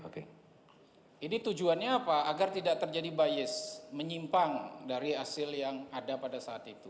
oke ini tujuannya apa agar tidak terjadi bias menyimpang dari hasil yang ada pada saat itu